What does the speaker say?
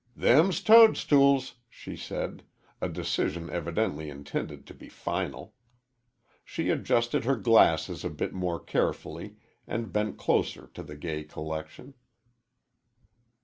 "Them's tudstools!" she said a decision evidently intended to be final. She adjusted her glasses a bit more carefully and bent closer to the gay collection.